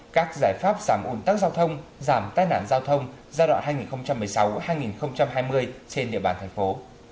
các giải pháp giảm ủn tắc giao thông giảm tai nạn giao thông giai đoạn hai nghìn một mươi sáu hai nghìn hai mươi trên địa bàn thành phố